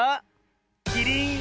キリン！